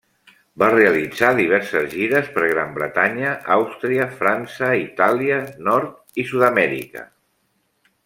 Va realitzar diverses gires per Gran Bretanya, Àustria, França, Itàlia, Nord i Sud-amèrica.